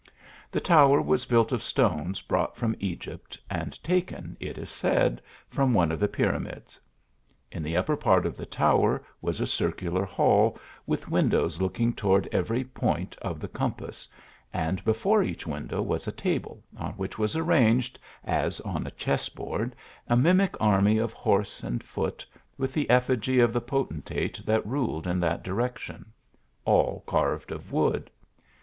The tower was built of stones brought from Egypt, and taken, it is said, from one of the Pyramids. In the upper part of the tower was a circular hall, with windows look ing toward ever) point of the compass, and before each window was a table, on which was arranged, as on a chess board, a mimic army of horse and foot, with the effigy of the potentate that ruled in that direction ; all carved of wood.